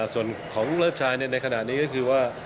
ส่วนของเลิศชายในขณะนี้ก็คือว่า